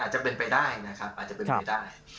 จะเป็นไปได้นะครับอาจจะเป็นไปได้